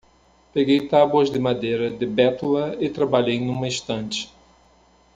Peguei tábuas de madeira de bétula e trabalhei numa estante.